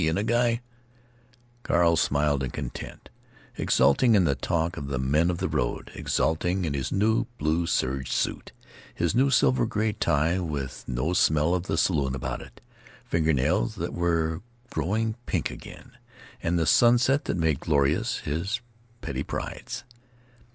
—and a guy——" Carl smiled in content, exulting in the talk of the men of the road, exulting in his new blue serge suit, his new silver gray tie with no smell of the saloon about it, finger nails that were growing pink again—and the sunset that made glorious his petty prides.